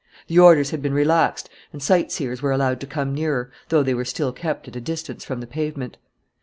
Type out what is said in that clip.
The orders had been relaxed and sightseers were allowed to come nearer, though they were still kept at a distance from the pavement.